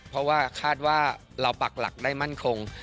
เพราะว่าคาดว่าเราปักหลักได้มั่นคง